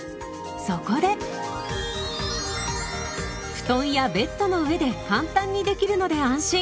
布団やベッドの上で簡単にできるので安心。